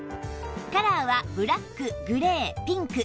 カラーはブラックグレーピンク